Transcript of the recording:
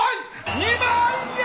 ２万円！